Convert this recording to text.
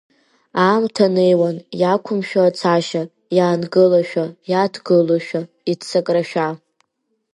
Аамҭа неиуан иақәымшәо ацашьа, иаангылашәа, иааҭгылошәа, иццакрашәа.